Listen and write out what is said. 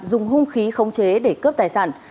dùng hung khí không chế để cướp tài sản